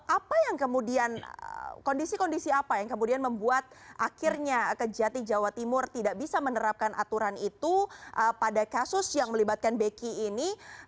apa yang kemudian kondisi kondisi apa yang kemudian membuat akhirnya kejati jawa timur tidak bisa menerapkan aturan itu pada kasus yang melibatkan beki ini